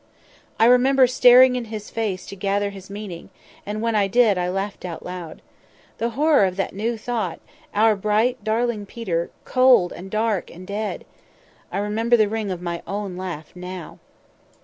"I remember staring in his face to gather his meaning; and when I did, I laughed out loud. The horror of that new thought—our bright, darling Peter, cold, and stark, and dead! I remember the ring of my own laugh now.